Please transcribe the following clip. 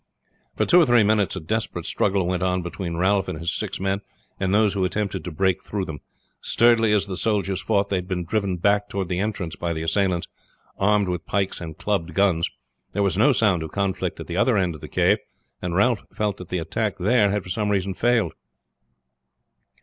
For two or three minutes a desperate struggle went on between Ralph and his six men and those who attempted to break through them. Sturdily as the soldiers fought they had been driven back toward the entrance by the assailants, armed with pikes and clubbed guns. There was no sound of conflict at the other end of the cave, and Ralph felt that the attack there had for some reason failed.